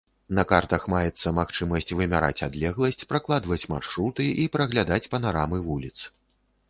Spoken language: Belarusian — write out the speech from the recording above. На картах маецца магчымасць вымяраць адлегласць, пракладваць маршруты і праглядаць панарамы вуліц.